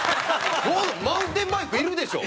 マウンテンバイクいるでしょ？